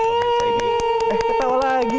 hei ketawa lagi